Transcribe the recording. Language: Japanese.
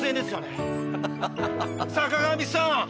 坂上さん